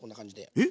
えっ？